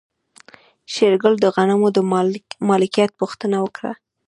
شېرګل د غنمو د مالکيت پوښتنه وکړه.